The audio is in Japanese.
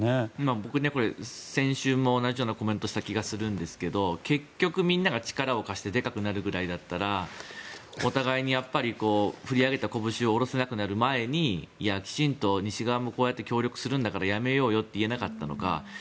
僕ね、これ、先週も同じようなコメントをした気がするんですが結局みんなが力を貸してでかくなるぐらいだったらお互いに振り上げたこぶしを下ろせなくなる前にきちんと西側もこうやって協力するんだからやめようよって言えなかったのか。